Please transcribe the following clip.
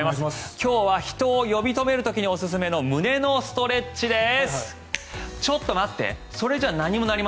今日は人を呼び止める時にお勧めの胸のストレッチです。